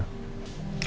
tapi aku tak bisa